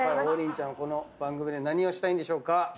王林ちゃんはこの番組で何をしたいんでしょうか？